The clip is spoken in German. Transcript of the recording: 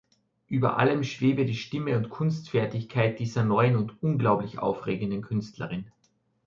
Über allem schwebe die Stimme und Kunstfertigkeit dieser neuen und unglaublich aufregenden Künstlerin.